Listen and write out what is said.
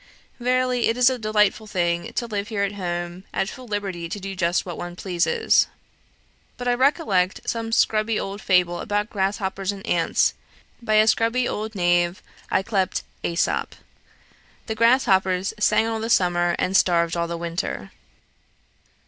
Verily, it is a delightful thing to live here at home, at full liberty to do just what one pleases. But I recollect some scrubby old fable about grasshoppers and ants, by a scrubby old knave yclept AEsop; the grasshoppers sang all the summer, and starved all the winter.